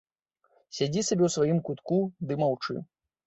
Сядзі сабе ў сваім кутку ды маўчы.